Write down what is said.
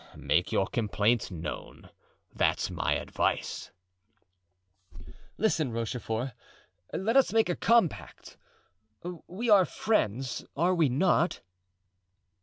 "Make your complaints known; that's my advice." "Listen, Rochefort; let us make a compact. We are friends, are we not?"